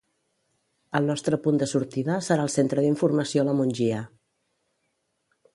El nostre punt de sortida serà el centre d'informació La Mongia